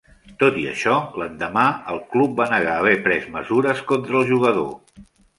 Tot i això, l'endemà el club va negar haver pres mesures contra el jugador.